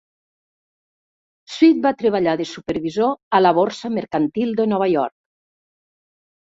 Sweat va treballar de supervisor a la Borsa Mercantil de Nova York.